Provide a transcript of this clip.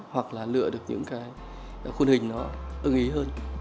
hoặc là lựa được những cái khuôn hình